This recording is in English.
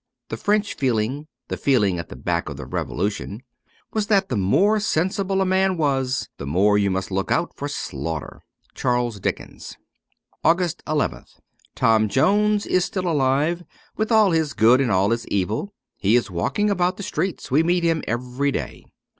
The French feeling — the feeling at the back of the Revolution — was that the more sensible a man was, the more you must look out for slaughter. ' Charles Dickens' 248 AUGUST nth TOM JONES is still alive, with all his good and all his evil ; he is walking about the streets ; we meet him every day.